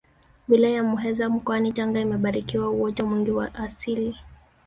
wilaya ya muheza mkoani tanga imebarikiwa uoto mwingi wa asili